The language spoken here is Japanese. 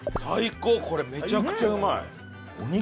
これめちゃくちゃうまい。